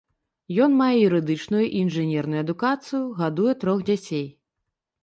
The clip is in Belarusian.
Ён мае юрыдычную і інжынерную адукацыю, гадуе трох дзяцей.